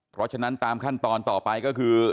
เพราะฉะนั้นตามขั้นตอนต่อไปก็คือ